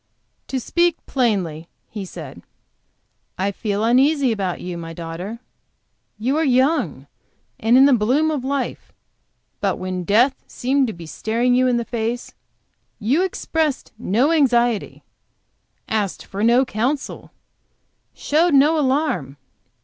"To speak plainly," he said, "I feel uneasy about you, my daughter. You are young and in the bloom of life, but when death seemed staring you in the face, you expressed no anxiety, asked for no counsel, showed no alarm.